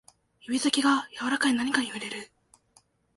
指先が柔らかい何かに触れる